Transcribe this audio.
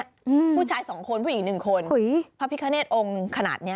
อืมผู้ชายสองคนผู้หญิงหนึ่งคนอุ้ยพระพิคเนตองค์ขนาดเนี้ย